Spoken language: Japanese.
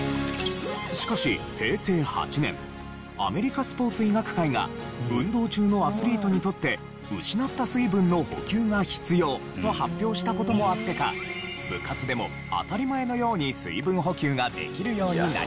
しかし平成８年アメリカスポーツ医学会が運動中のアスリートにとって失った水分の補給が必要と発表した事もあってか部活でもいやそりゃそうだよな。